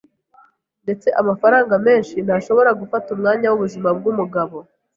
Ndetse amafaranga menshi ntashobora gufata umwanya wubuzima bwumugabo.